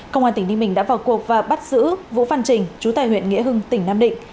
công an tỉnh ninh bình đã vào cuộc và bắt giữ vũ văn trình chú tài huyện nghĩa hưng tỉnh nam định